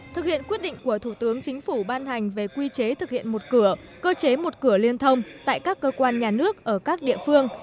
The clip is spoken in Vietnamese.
thực hiện quyết định của thủ tướng chính phủ ban hành về quy chế thực hiện một cửa cơ chế một cửa liên thông tại các cơ quan nhà nước ở các địa phương